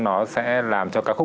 nó sẽ làm cho ca khúc